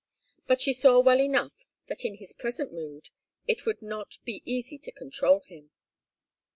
But she saw well enough that in his present mood it would not be easy to control him.